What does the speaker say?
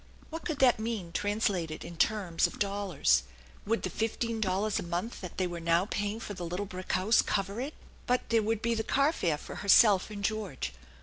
What could that mean translated in terms of dollars ? Would the fifteen dollars a month that they were now paying for the little brick house cover it? But there would be the car fare for herself and George.